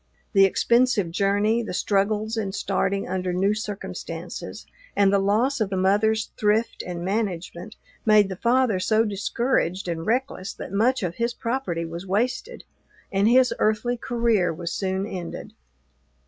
The expensive journey, the struggles in starting under new circumstances, and the loss of the mother's thrift and management, made the father so discouraged and reckless that much of his property was wasted, and his earthly career was soon ended.